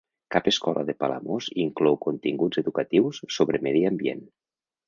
Cap escola de Palamós inclou continguts educatius sobre medi ambient.